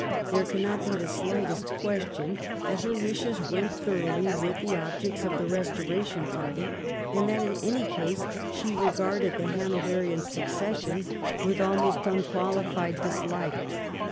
There cannot be the slightest question that her wishes went thoroughly with the objects of the Eestoration party, and that in any case she regarded the Hanoverian succession with almost un 332 THE REIGN OF QUEEN ANNE. ch. xxxvn. qualified dislike.